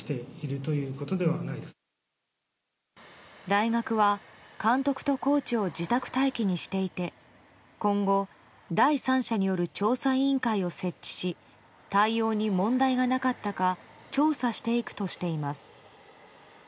大学は、監督とコーチを自宅待機にしていて今後、第三者による調査委員会を設置し対応に問題がなかったか調査していくとしています。